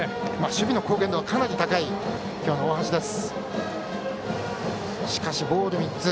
守備の貢献度はかなり高い今日の大橋です。